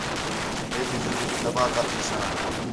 ہے تی زندگی تباہ کر ݙیساں